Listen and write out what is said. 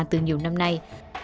từ nhiều năm nay